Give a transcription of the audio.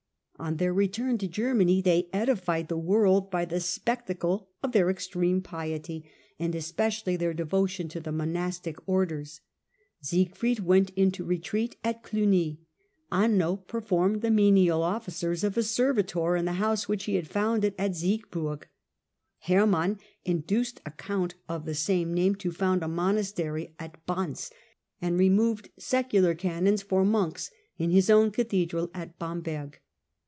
On their return to Germany they edified the world by the spectacle of their extreme piety, and especially their devotion to the monastic orders. Siegfried went into retreat at Olugny ; Anno performed the menial offices of a servitor in the house which he had foanded at Siegburg. Herman induced a count of the same name to found a monastery at Banz, and removed secular canons for monks in his own cathedral at Bamberg.